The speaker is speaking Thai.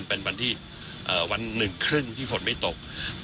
เป็นวันที่วันหนึ่งครึ่งที่ฝนไม่ตก